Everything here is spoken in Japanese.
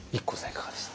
いかがでした？